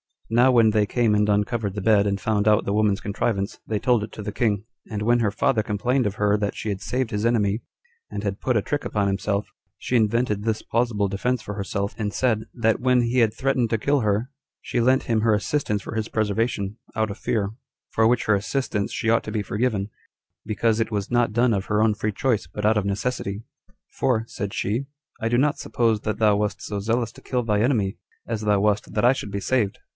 Now when they came and uncovered the bed, and found out the woman's contrivance, they told it to the king; and when her father complained of her that she had saved his enemy, and had put a trick upon himself, she invented this plausible defense for herself, and said, That when he had threatened to kill her, she lent him her assistance for his preservation, out of fear; for which her assistance she ought to be forgiven, because it was not done of her own free choice, but out of necessity: "For," said she, "I do not suppose that thou wast so zealous to kill thy enemy, as thou wast that I should be saved."